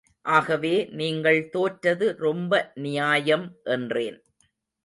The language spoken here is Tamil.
ஆகவே நீங்கள் தோற்றது ரொம்ப நியாயம் என்றேன்.